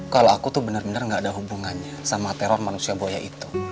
kalau aku tuh bener bener gak ada hubungannya sama teror manusia buaya itu